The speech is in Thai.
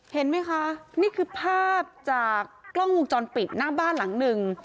เห็นไหมคะนี่คือภาพจากกล้องวงจรปิดหน้าบ้านหลังหนึ่ง